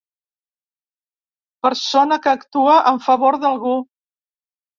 Persona que actua en favor d'algú.